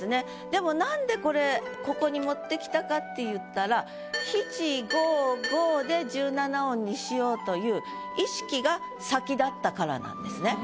でもなんでこれここに持ってきたかっていったら７・５・５で１７音にしようという意識が先立ったからなんですね。